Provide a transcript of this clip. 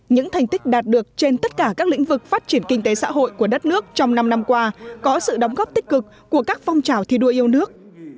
những thành tích đạt được trên tất cả các lĩnh vực phát triển kinh tế xã hội của đất nước trong năm năm qua có sự đóng góp tích cực của các phong trào thi đua yêu nước